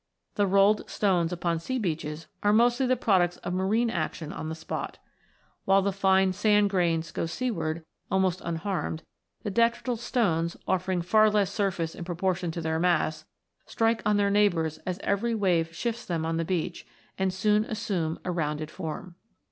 The rolled stones upon sea beaches are mostly the products of marine action on the spot. While the fine sand grains go seaward almost in] THE SANDSTONES 71 unharmed, the detrital stones, offering far less surface in proportion to their mass, strike on their neighbours as every wave shifts them on the beach, and soon assume a rounded form.